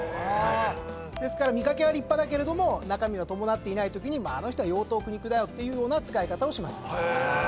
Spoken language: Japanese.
ですから見掛けは立派だけれども中身を伴っていないときにあの人は羊頭狗肉だよっていうような使い方をします。